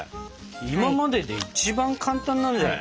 今までで一番簡単なんじゃない？